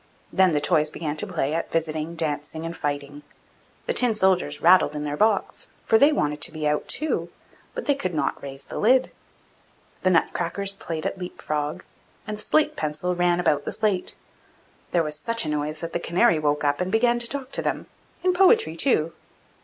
Then the toys began to play at visiting, dancing, and fighting. The tin soldiers rattled in their box, for they wanted to be out too, but they could not raise the lid. The nut crackers played at leap frog, and the slate pencil ran about the slate; there was such a noise that the canary woke up and began to talk to them, in poetry too!